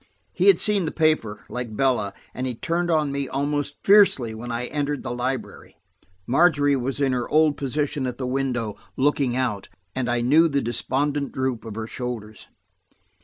He had seen the paper, like Bella, and he turned on me almost fiercely when I entered the library. Margery was in her old position at the window, looking out, and I knew the despondent droop of her shoulders.